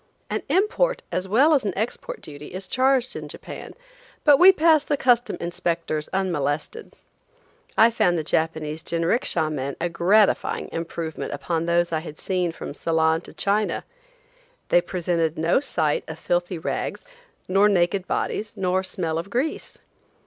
An import as well as an export duty is charged in Japan, but we passed the custom inspectors unmolested. I found the Japanese jinricksha men a gratifying improvement upon those I seen from Ceylon to China. They presented no sight of filthy rags, nor naked bodies, nor smell of grease.